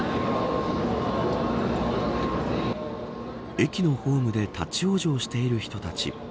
駅のホームで立ち往生している人たち。